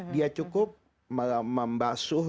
dia cukup membasu